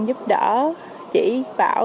giúp đỡ chỉ bảo